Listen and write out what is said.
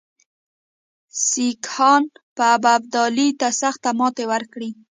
سیکهان به ابدالي ته سخته ماته ورکړي.